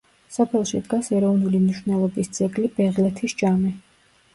სოფელში დგას ეროვნული მნიშვნელობის ძეგლი ბეღლეთის ჯამე.